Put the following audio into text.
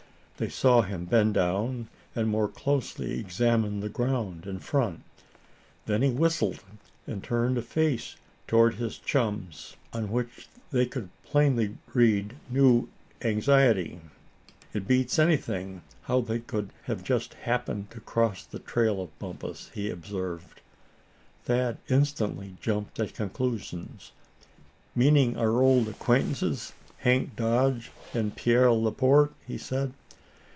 They saw him bend down and more closely examine the ground in front. Then he whistled, and turned a face toward his chums on which they could plainly read new anxiety. "It beats anything how they could have just happened to cross the trail of Bumpus," he observed. Thad instantly jumped at conclusions. "Meaning our old acquaintances. Hank Dodge and Pierre Laporte?" he said.